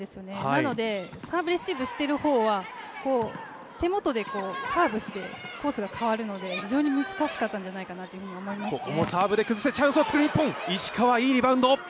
なのでサーブレシーブしている方は手元でカーブしてコースが変わるので非常に難しかったんじゃないかと思いますね。